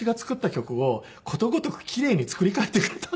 曲をことごとく奇麗に作り替えてくれたんです。